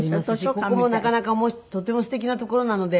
ここもなかなかとてもすてきな所なので。